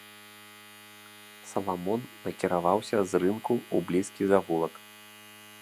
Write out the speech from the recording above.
Саламон накіраваўся з рынку ў блізкі завулак.